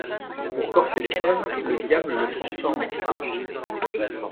Pour corser l'épreuve, le Diable le transforme en femme…